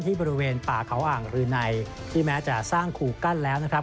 บริเวณป่าเขาอ่างรืนัยที่แม้จะสร้างคู่กั้นแล้วนะครับ